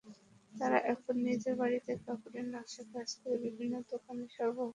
তাঁরা এখন নিজের বাড়িতেই কাপড়ে নকশার কাজ করে বিভিন্ন দোকানে সরবরাহ করেন।